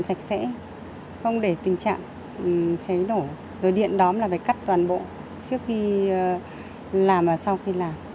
dọn sạch sẽ không để tình trạng cháy đổ rồi điện đóm là phải cắt toàn bộ trước khi làm và sau khi làm